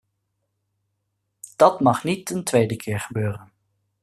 Dat mag niet een tweede keer gebeuren.